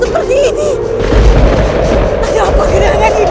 ada apa kena ngany ini